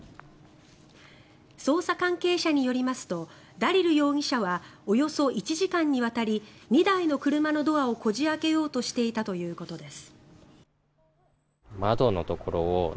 捜査関係者によりますとダリル容疑者はおよそ１時間にわたり２台の車のドアをこじ開けようとしていたということです。